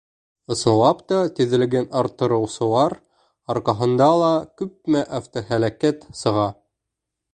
Ысынлап та, тиҙлеген арттырыусылар арҡаһында ла күпме автоһәләкәт сыға.